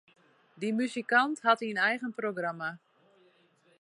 Dy muzikant hat in eigen programma.